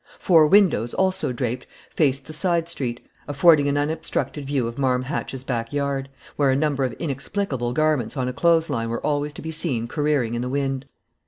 Four windows, also draped, faced the side street, affording an unobstructed view of Marm Hatch's back yard, where a number of inexplicable garments on a clothes line were always to be seen careering in the wind.